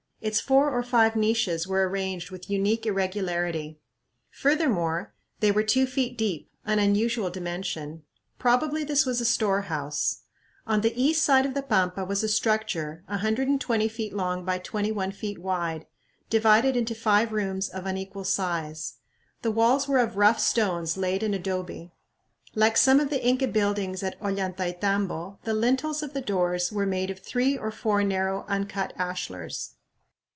Its four or five niches were arranged with unique irregularity. Furthermore, they were two feet deep, an unusual dimension. Probably this was a storehouse. On the east side of the pampa was a structure, 120 feet long by 21 feet wide, divided into five rooms of unequal size. The walls were of rough stones laid in adobe. Like some of the Inca buildings at Ollantaytambo, the lintels of the doors were made of three or four narrow uncut ashlars.